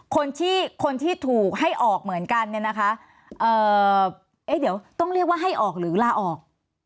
คนที่ถูกให้ออกเดี๋ยวต้องเรียกว่าให้ออกหรือลาออก